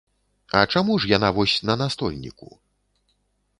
А чаму ж яна вось на настольніку?